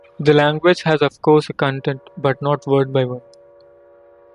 The language has of course a content, but not word by word.